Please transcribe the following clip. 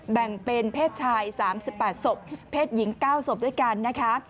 แบ่งเป็นเพศชาย๓๘ศพเพศหญิง๙ศพด้วยกันนะคะ